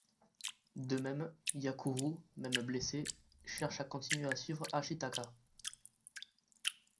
De même, Yakuru, même blessé, cherche à continuer à suivre Ashitaka.